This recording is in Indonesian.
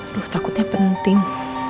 aduh takutnya penting